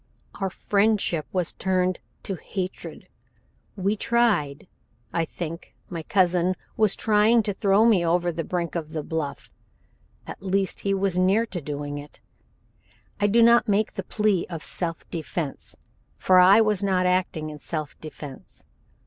Our friendship was turned to hatred. We tried I think my cousin was trying to throw me over the brink of the bluff at least he was near doing it. I do not make the plea of self defense for I was not acting in self defense.